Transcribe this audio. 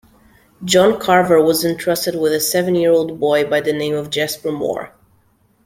John Carver was entrusted with a seven-year-old boy by the name of Jasper More.